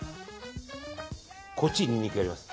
こっちにニンニクやります。